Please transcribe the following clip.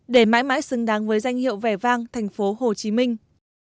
để mãi mãi xứng đáng với danh hiệu vẻ vang thành phố hồ chí minh